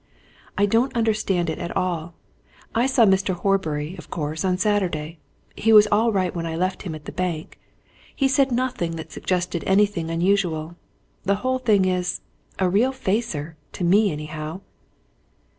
I don't understand it at all. I saw Mr. Horbury, of course, on Saturday he was all right when I left him at the bank. He said nothing that suggested anything unusual. The whole thing is a real facer! To me anyhow."